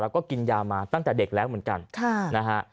แล้วก็กินยามาตั้งแต่เด็กแล้วเหมือนกันนะฮะ